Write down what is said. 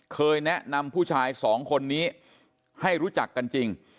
เคยแนะนำผู้ชายสองคนนี้ให้รู้จักกันจริง